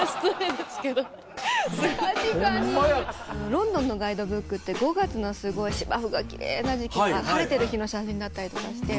ロンドンのガイドブックって５月の芝生がキレイな時期が晴れてる日の写真だったりとかして。